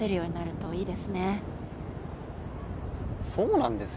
そうなんですよ。